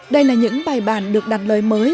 đây là những bài bản được đặt lời mới